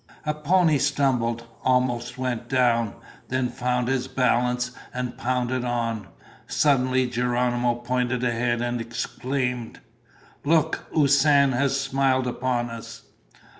A pony stumbled, almost went down, then found his balance and pounded on. Suddenly Geronimo pointed ahead and exclaimed: "Look! Usan has smiled upon us!"